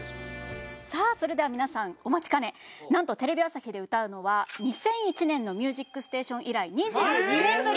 さあそれでは皆さんお待ちかねなんとテレビ朝日で歌うのは２００１年の『ミュージックステーション』以来２２年ぶり。